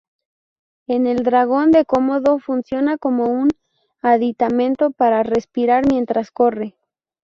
En el dragón de Komodo funciona como un aditamento para respirar mientras corre.